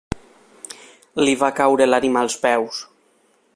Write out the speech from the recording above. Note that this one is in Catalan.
Li va caure l'ànima als peus.